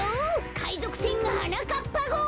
かいぞくせんはなかっぱごう！